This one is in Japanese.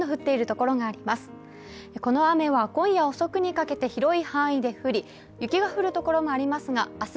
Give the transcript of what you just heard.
この雨は今夜遅くにかけて広い範囲で降り雪が降るところもありますが明日